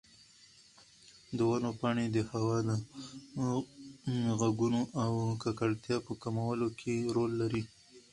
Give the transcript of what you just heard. د ونو پاڼې د هوا د غږونو او ککړتیا په کمولو کې رول لري.